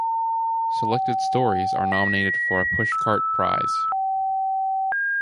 Selected stories are nominated for a Pushcart Prize.